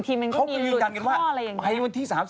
เขาก็ยืนยันกันว่าไปวันที่๓๐